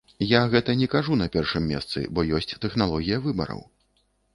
Я гэта не кажу на першым месцы, бо ёсць тэхналогія выбараў.